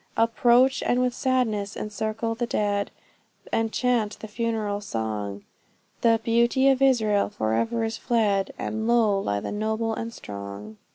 Approach, and with sadness encircle the dead And chant the funereal song The 'beauty of Israel' forever is fled, And low lie the noble and strong.